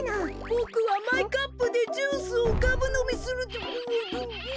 ボクはマイカップでジュースをがぶのみする。